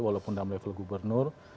walaupun dalam level gubernur